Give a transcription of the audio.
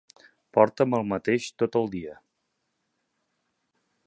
Porta amb el mateix tot el dia.